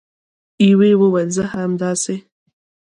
یوې وویل: زه همداسې